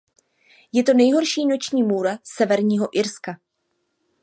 Je to nejhorší noční můra Severního Irska.